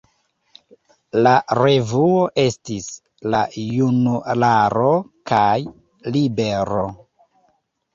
La revuoj estis "La Junularo" kaj "Libero".